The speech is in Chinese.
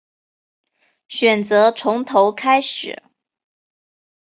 选择从头开始